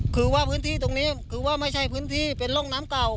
คือว่าพื้นที่ตรงนี้คือว่าไม่ใช่พื้นที่เป็นร่องน้ำเก่า